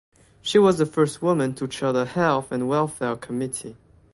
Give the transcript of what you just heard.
She was the first woman to chair the Health and Welfare Committee.